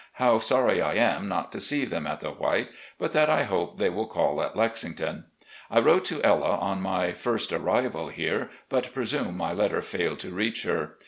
how sorry I am not to see them at the White, but that I hope they will call at Lexington. I wrote to Ella on my first arrival here, but presume my letter failed to reach her.